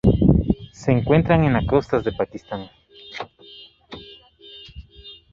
Se encuentran en las costas del Pakistán.